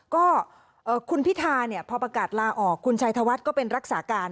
ก็คุณพิธาเนี่ยพอประกาศลาออกคุณชัยธวัฒน์ก็เป็นรักษาการ